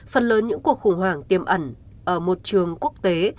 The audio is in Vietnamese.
phần lớn những cuộc khủng hoảng tiềm ẩn ở một trường quốc tế